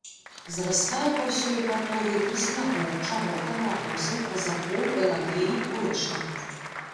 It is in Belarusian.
Зарастае па ўсёй акваторыі трыснягом, чаротам, рагозам, разаком, эладэяй, урэчнікам.